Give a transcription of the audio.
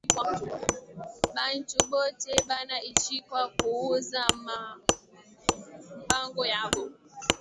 Bantu bote bana ichikiwa ku uza ma mpango yabo